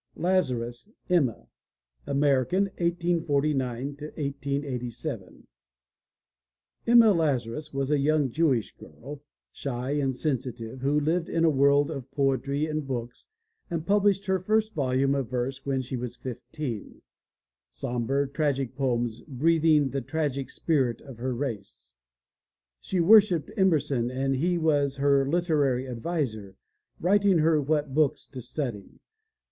LAZARUS, EMMA (American, 1849 1887) Emma Lazarus was a young Jewish girl, shy and sensitive, who lived in a world of poetry and books and published her first volume of verse when she was fifteen, sombre, tragic poems breath ing the tragic spirit of her race. She worshiped Emerson and he was her literary adviser, writing her what books to study.